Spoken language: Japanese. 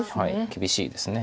厳しいです。